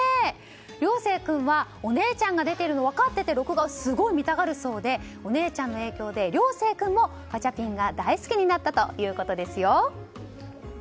正君はお姉ちゃんが出ているのを分かって録画をすごく見たがるそうでお姉ちゃんの影響で怜正君もガチャピンが大好きになったということですよ。